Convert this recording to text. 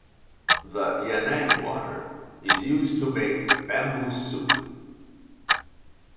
The yanang water is used to make bamboo soup.